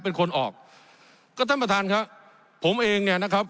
เป็นคนออกก็ท่านประธานครับผมเองเนี่ยนะครับ